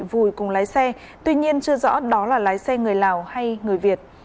vùi cùng lái xe tuy nhiên chưa rõ đó là lái xe người lào hay người việt